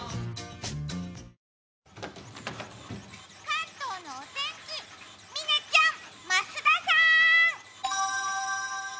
関東のお天気、嶺ちゃん、増田さん。